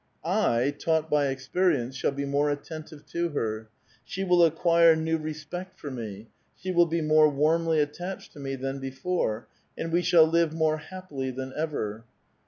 I, taught by experience, shall be more attentive to her. She will acquire new respect for me ; she will be more warmly attached to me than before, and we shall live more happily than ever.